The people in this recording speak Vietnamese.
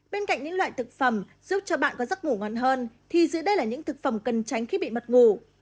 bên cạnh những loại thực phẩm giúp cho bạn có giấc ngủ ngon hơn thì giữ đây là những thực phẩm cần tránh khi bị mất ngủ